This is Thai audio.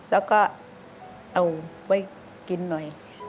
แล้วก็เอาไว้กินหน่อย